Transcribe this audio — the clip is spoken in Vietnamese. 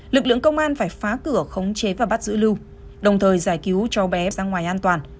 lực lượng công an phải phá cửa khống chế và bắt giữ lưu đồng thời giải cứu cháu bé ra ngoài an toàn